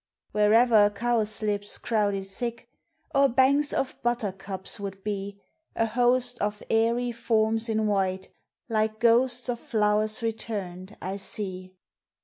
Wherever cowslips crowded thick, Or banks of buttercups would be, A host of airy forms in white, Like ghosts of flowers returned, I see.